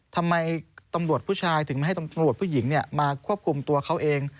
ทำไมตำรวจผู้ชายถึงไม่ให้ตำรวจผู้หญิงมาควบคุมตัวเขาเอง